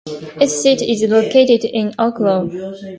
Its seat is located in Ockelbo.